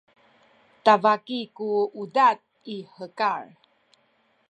tabaki ku udad i hekal